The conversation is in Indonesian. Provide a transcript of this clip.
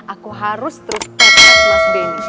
aku harus terus pecat mas benny